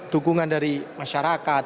dukungan dari masyarakat